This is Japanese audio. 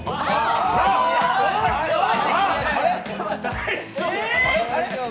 大丈夫？